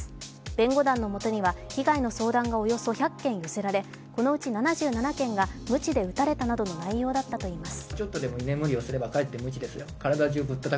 弁護団のもとには被害の相談がおよそ１００件寄せられこのうち７７件がむちで打たれたなどの内容だったといいます。